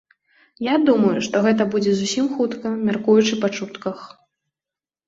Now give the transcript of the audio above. Я думаю, што гэта будзе зусім хутка, мяркуючы па чутках.